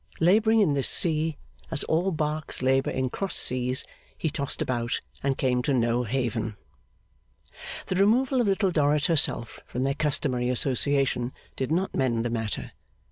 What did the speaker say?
Labouring in this sea, as all barks labour in cross seas, he tossed about and came to no haven. The removal of Little Dorrit herself from their customary association, did not mend the matter.